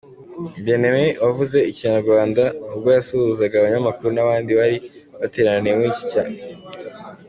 Bien-Aime wavuze ikinyarwanda, ubwo yasuhuzaga abanyamakuru n'abandi bari bateraniye muri iki cyumba.